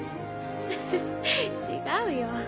フフ違うよ。